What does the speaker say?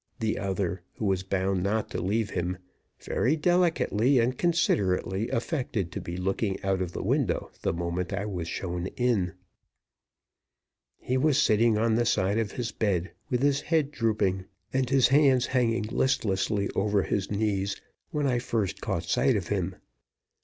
The other, who was bound not to leave him, very delicately and considerately affected to be looking out of window the moment I was shown in. He was sitting on the side of his bed, with his head drooping and his hands hanging listlessly over his knees when I first caught sight of him.